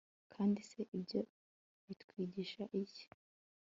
kandi se ibyo bitwigisha iki